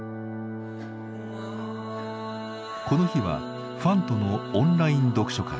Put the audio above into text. この日はファンとのオンライン読書会。